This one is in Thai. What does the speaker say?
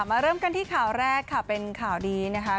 เริ่มกันที่ข่าวแรกค่ะเป็นข่าวดีนะคะ